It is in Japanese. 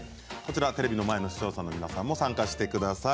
テレビの前の視聴者の皆さんも参加してください。